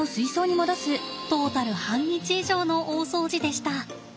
トータル半日以上の大掃除でした。